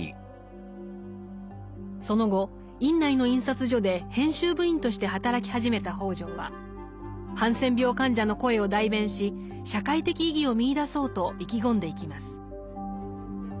その後院内の印刷所で編集部員として働き始めた北條はハンセン病患者の声を代弁し社会的意義を見いだそうと意気込んでいきます。